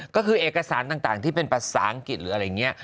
ก็คือเอกสารต่างที่เป็นภาษาอังกฤษหรืออะไรอย่างนี้